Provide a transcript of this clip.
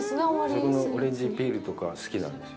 そこのオレンジピールとかは好きなんですよ。